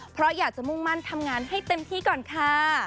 เพราะอยากจะมุ่งมั่นทำงานให้เต็มที่ก่อนค่ะ